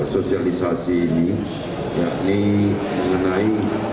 sosialisasi ini yakni mengenai